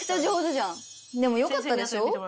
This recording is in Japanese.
でもよかったでしょ？